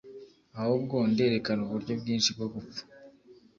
Ahubwo nderekana uburyo bwinshi bwo gupfa